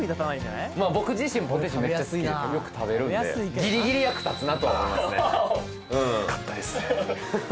まあ僕自身ポテチめっちゃ好きでよく食べるんでギリギリ役立つなとは思いますねよかったです